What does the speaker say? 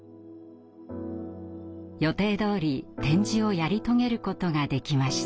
予定どおり展示をやり遂げることができました。